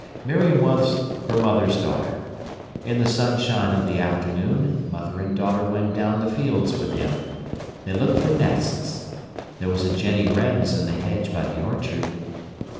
Miriam was her mother's daughter. In the sunshine of the afternoon mother and daughter went down the fields with him. They looked for nests. There was a jenny wren's in the hedge by the orchard.